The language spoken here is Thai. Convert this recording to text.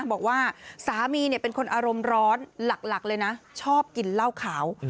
บอกว่าสามีเป็นคนอารมณ์ร้อนหลักเลยนะชอบกินเหล้าขาว